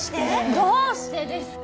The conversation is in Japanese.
どうしてですか？